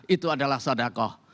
itu adalah sodako